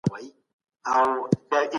هغه په بیړه بیرته خراسان ته ستون شو.